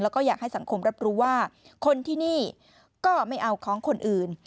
แล้วก็อยากให้สังคมรับรู้ว่าคนที่นี่ก็ไม่เอาของคนอื่น